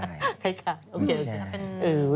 ใครกันโอเคไม่ใช่